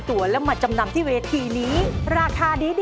เกมรับจำนัง